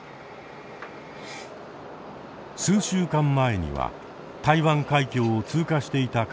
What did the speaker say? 数週間前には台湾海峡を通過していた艦艇です。